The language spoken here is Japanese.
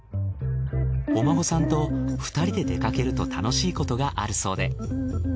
お孫さんと２人で出かけると楽しいことがあるそうで。